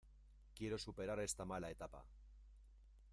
Quiero superar esta mala etapa.